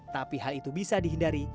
tapi hal itu bisa dihindari